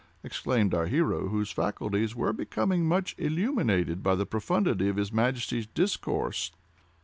exclaimed our hero, whose faculties were becoming much illuminated by the profundity of his Majesty's discourse.